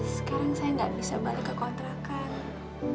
sekarang saya nggak bisa balik ke kontrakan